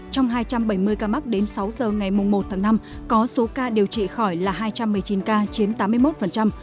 trong hai trăm bảy mươi ca mắc đến sáu giờ ngày một tháng năm có số ca điều trị khỏi là hai trăm một mươi chín ca chiếm tám mươi một